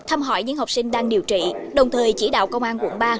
thăm hỏi những học sinh đang điều trị đồng thời chỉ đạo công an quận ba